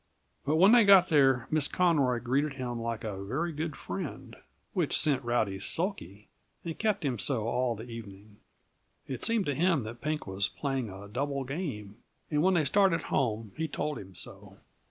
But when they got there, Miss Conroy greeted him like a very good friend; which sent Rowdy sulky, and kept him so all the evening. It seemed to him that Pink was playing a double game, and when they started home he told him so.